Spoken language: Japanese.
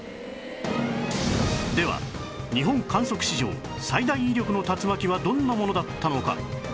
では日本観測史上最大威力の竜巻はどんなものだったのか？